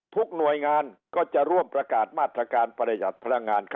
ทุกหน่วยงานก็จะร่วมประกาศมาตรการประหลักธรรมงานขึ้น